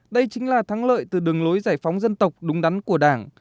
đây chính là thắng lợi từ đường lối giải phóng dân tộc đúng đắn của đảng